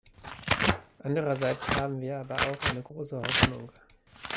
Andererseits haben wir aber auch eine große Hoffnung.